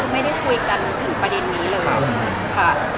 แล้วก็ได้ฟังหรือรู้อะไรแบบนี้ค่ะ